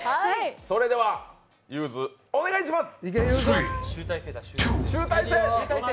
それではゆーづ、お願いします。